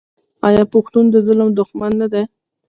آیا پښتون د ظالم دښمن نه دی؟